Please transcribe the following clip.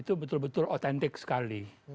itu betul betul otentik sekali